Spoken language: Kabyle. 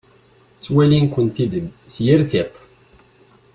Ttwalin-kent-id s yir tiṭ.